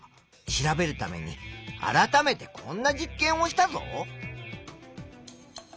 調べるために改めてこんな実験をしたぞ。